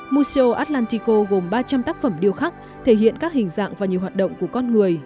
mosio atlantico gồm ba trăm linh tác phẩm điêu khắc thể hiện các hình dạng và nhiều hoạt động của con người